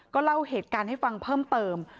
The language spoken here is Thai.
เล่าเหตุการณ์ให้ฟังเพิ่มเติม